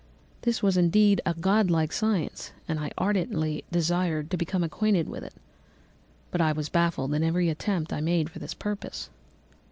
This was indeed a godlike science, and I ardently desired to become acquainted with it. But I was baffled in every attempt I made for this purpose.